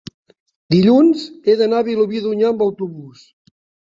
dilluns he d'anar a Vilobí d'Onyar amb autobús.